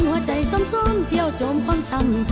หัวใจซ้ำซ้มเที่ยวโจมความชำ